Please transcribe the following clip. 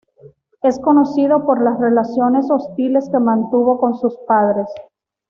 Es conocido por las relaciones hostiles que mantuvo con sus padres.